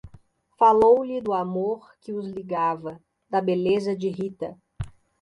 Falou-lhe do amor que os ligava, da beleza de Rita.